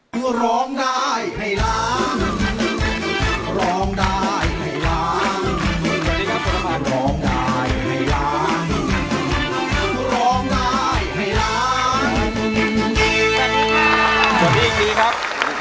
สวัสดีครับ